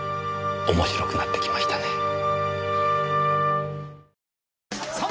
面白くなってきましたね。